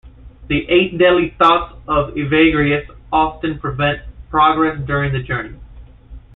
The Eight Deadly Thoughts of Evagrius often prevent progress during the journey.